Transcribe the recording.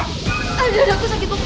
aduh dada aku sakit bapak